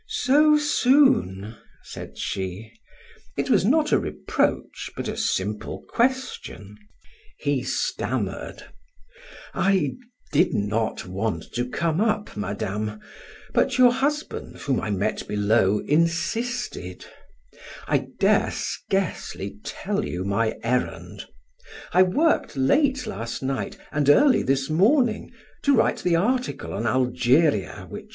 "So soon?" said she. It was not a reproach, but a simple question. He stammered: "I did not want to come up, Madame, but your husband, whom I met below, insisted I dare scarcely tell you my errand I worked late last night and early this morning, to write the article on Algeria which M.